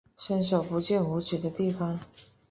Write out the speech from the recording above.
伸手不见五指的地方